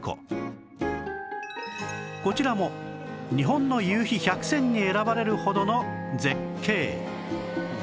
こちらも日本の夕陽百選に選ばれるほどの絶景